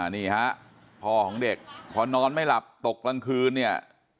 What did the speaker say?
นี่ฮะพ่อของเด็กพอนอนไม่หลับตกกลางคืนเนี่ย